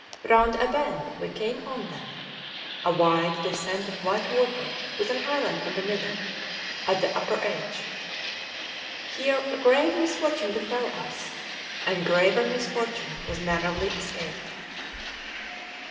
Round a bend we came on them; a wide descent of white water, with an island in the middle, at the upper edge. Here grave misfortune befell us, and graver misfortune was narrowly escaped.